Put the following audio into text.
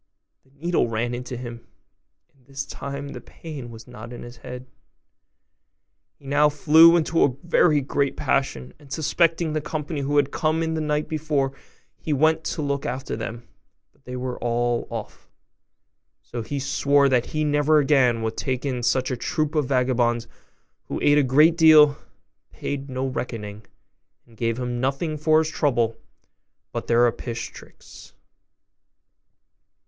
the needle ran into him; and this time the pain was not in his head. He now flew into a very great passion, and, suspecting the company who had come in the night before, he went to look after them, but they were all off; so he swore that he never again would take in such a troop of vagabonds, who ate a great deal, paid no reckoning, and gave him nothing for his trouble but their apish tricks.